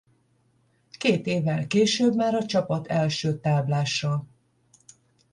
Két évvel később már a csapat első táblása.